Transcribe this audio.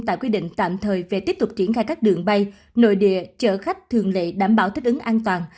tại quy định tạm thời về tiếp tục triển khai các đường bay nội địa chở khách thường lệ đảm bảo thích ứng an toàn